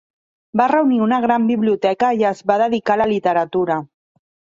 Va reunir una gran biblioteca i es va dedicar a la literatura.